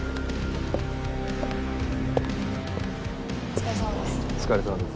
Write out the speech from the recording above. お疲れさまです。